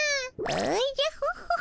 おじゃホホッ。